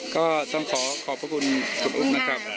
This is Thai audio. ก็ต้องขอขอบพระคุณคุณอุ๊บนะครับ